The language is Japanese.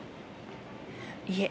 いえ。